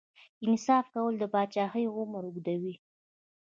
انصاف کول د پاچاهۍ عمر اوږدوي.